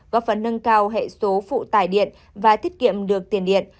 góp phần nâng cao hệ số phụ tải điện và thiết kiệm được tiền điện